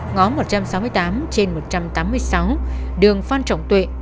ngõ một trăm sáu mươi tám trên một trăm tám mươi sáu đường phan trọng tuệ